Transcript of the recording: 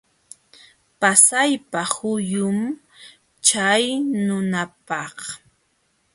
Pasaypa huyum chay nunakaq.